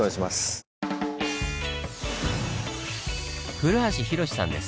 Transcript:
古橋洋さんです。